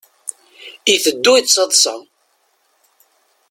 Iteddu yettaḍsa.